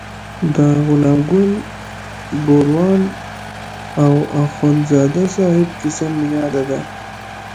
د غلام ګل ګوروان او اخندزاده صاحب کیسه مې یاده شوه.